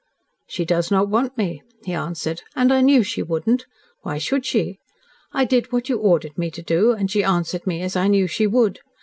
"She does not want me," he answered. "And I knew she wouldn't. Why should she? I did what you ordered me to do, and she answered me as I knew she would.